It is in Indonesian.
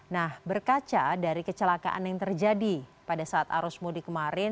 nah berkaca dari kecelakaan yang terjadi pada saat arus mudik kemarin